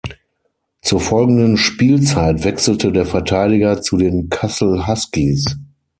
Zur folgenden Spielzeit wechselte der Verteidiger zu den Kassel Huskies.